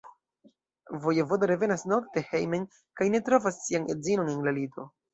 Vojevodo revenas nokte hejmen kaj ne trovas sian edzinon en la lito.